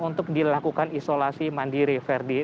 untuk dilakukan isolasi mandiri verdi